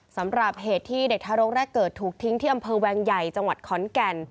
สำหรับเหตุที่เด็กทารกแรกเกิดถูกทิ้งที่อำเภอแวงใหญ่จังหวัดขอนแก่น